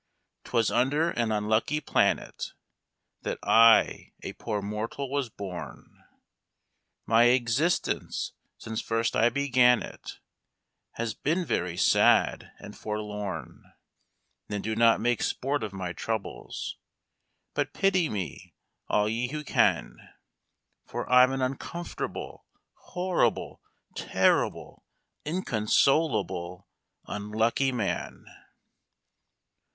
'Twas under an unlucky planet That I a poor mortal was born; My existence since first I began it Has been very sad and forlorn. Then do not make sport of my troubles. But pity me all ye who can, For I'm an uncomfortable, horrible, terrible, inconsolable, unlucky man."